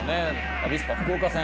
アビスパ福岡戦。